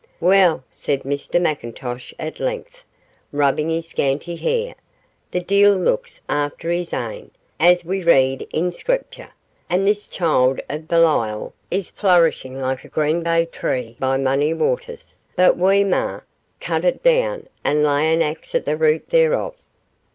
'Weel,' said Mr McIntosh at length, rubbing his scanty hair, 'the deil looks after his ain, as we read in Screepture, and this child of Belial is flourishing like a green bay tree by mony waters; but we ma' cut it doon an' lay an axe at the root thereof.